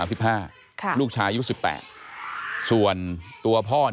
ไอ้แม่ได้เอาแม่ได้เอาแม่